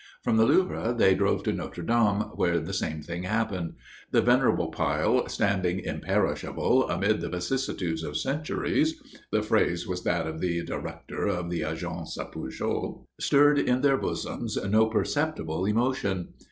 From the Louvre they drove to Notre Dame, where the same thing happened. The venerable pile, standing imperishable amid the vicissitudes of centuries (the phrase was that of the director of the Agence Pujol), stirred in their bosoms no perceptible emotion.